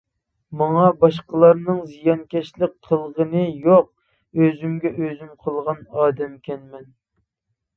ماڭا باشقىلارنىڭ زىيانكەشلىك قىلغىنى يوق، ئۆزۈمگە ئۆزۈم قىلغان ئادەمكەنمەن.